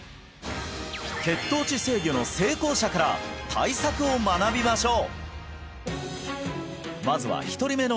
血糖値制御の成功者から対策を学びましょう！